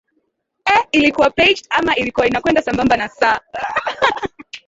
eeh ilikuwa pegged ama ilikuwa inakwenda sambamba na sa